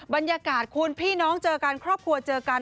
บรรยากาศคุณพี่น้องเจอกันครอบครัวเจอกัน